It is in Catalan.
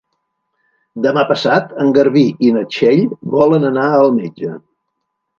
Demà passat en Garbí i na Txell volen anar al metge.